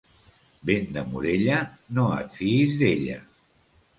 Vent de Morella, no et fiïs d'ella.